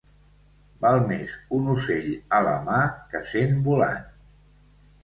Val més un ocell a la mà que cent volant.